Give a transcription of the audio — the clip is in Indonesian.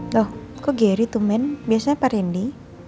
loh kok gary tuh main biasanya apa rendy